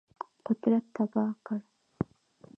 قدرت تباه کړ.